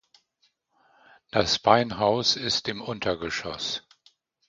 Das Beinhaus ist im Untergeschoß.